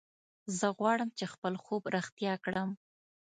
زه غواړم چې خپل خوب رښتیا کړم